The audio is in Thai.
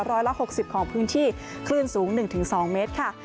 ร้อยละ๖๐ของพื้นที่คลื่นสูง๑๒เมตรค่ะ